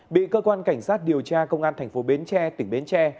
bị cơ quan cảnh sát điều tra công an thành phố bến tre tỉnh bến tre